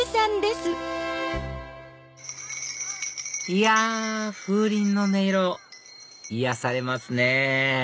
いや風鈴の音色癒やされますね